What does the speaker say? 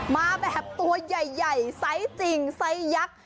มาแบบตัวใหญ่ไซส์จริงไซส์ยักษ์